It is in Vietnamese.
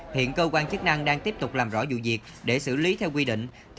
hiện cơ quan chức năng đang tiếp tục làm rõ vụ việc để xử lý theo quy định